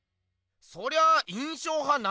そりゃ印象派